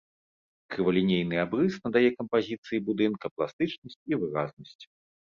Крывалінейны абрыс надае кампазіцыі будынка пластычнасць і выразнасць.